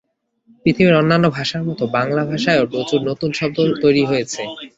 পৃথিবীর অন্যান্য ভাষার মতো বাংলা ভাষায়ও প্রচুর নতুন নতুন শব্দ তৈরি হয়েছে।